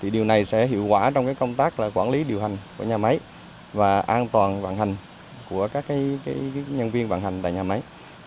điều này sẽ hiệu quả trong công tác quản lý điều hành của nhà máy và an toàn vận hành của các nhân viên vận hành tại nhà máy